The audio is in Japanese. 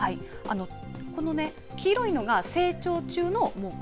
この黄色いのが成長中の毛根。